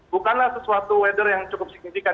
bukanlah sesuatu weather yang cukup signifikan